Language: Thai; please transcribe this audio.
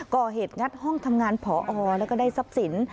งัดห้องทำงานผอแล้วก็ได้ทรัพย์สิน